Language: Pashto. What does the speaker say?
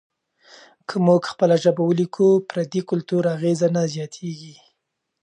که موږ خپله ژبه ولیکو، پردي کلتور اغېز نه زیاتیږي.